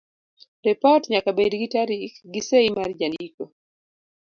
Ripot nyaka bed gi tarik gi sei mar jandiko.